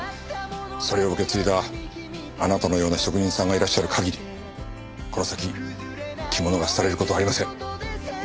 それを受け継いだあなたのような職人さんがいらっしゃる限りこの先着物が廃れる事はありません。